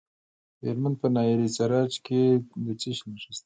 د هلمند په ناهري سراج کې د څه شي نښې دي؟